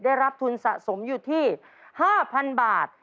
ได้รับทุนสะสมอยู่ที่๕๐๐๐บาท